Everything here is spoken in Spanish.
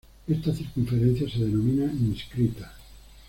Esta circunferencia se denomina inscrita.